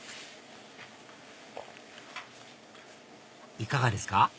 いかがですか？